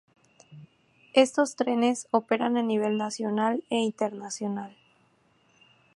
Estos trenes operan a nivel nacional e internacional.